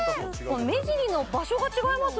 目尻の場所が違います